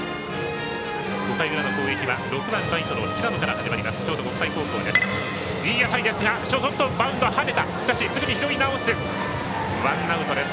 ５回裏の攻撃は６番ライトの平野から始まる京都国際高校です。